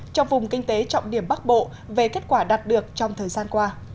trong vùng kinh tế trọng điểm bắc bộ về kết quả đạt được trong thời gian qua